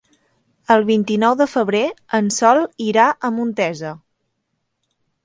El vint-i-nou de febrer en Sol irà a Montesa.